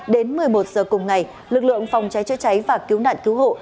đến một mươi một giờ cùng ngày lực lượng phòng cháy chữa cháy và cứu nạn cứu hộ